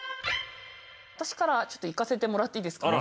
私からちょっといかせてもらっていいですか。